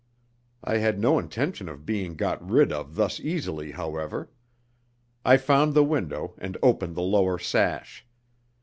I had no intention of being got rid of thus easily, however. I found the window and opened the lower sash.